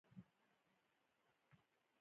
کله چې ځوان شوم نو مور مې د واده وویل